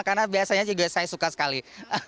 karena biasanya juga saya suka sekali